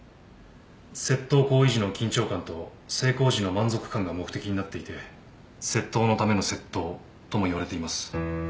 窃盗行為時の緊張感と成功時の満足感が目的になっていて窃盗のための窃盗ともいわれています。